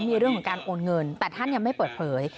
มีเรื่องของการโอนเงินแต่ท่านยังไม่เปิดเผย